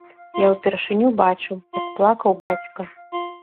Я ўпершыню бачыў, як плакаў бацька.